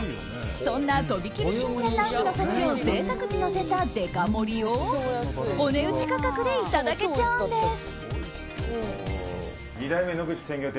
そんなとびきり新鮮な海の幸を贅沢にのせたデカ盛りをお値打ち価格でいただけちゃうんです。